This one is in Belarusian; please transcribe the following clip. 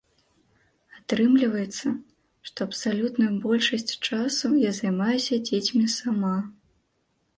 Атрымліваецца, што абсалютную большасць часу я займаюся дзецьмі сама.